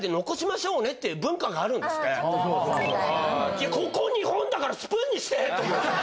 いやここ日本だからスプーンにして！と思って。